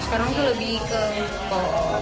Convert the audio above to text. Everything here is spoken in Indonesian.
sekarang tuh lebih ke kok